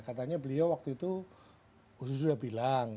katanya beliau waktu itu khusus sudah bilang